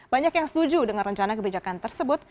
banyak yang setuju dengan rencana kebijakan tersebut